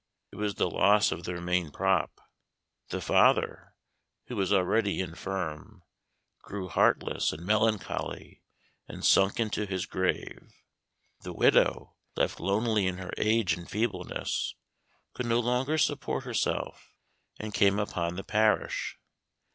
It was the loss of their main prop. The father, who was already infirm, grew heartless and melancholy and sunk into his grave. The widow, left lonely in her age and feebleness, could no longer support herself, and came upon the parish.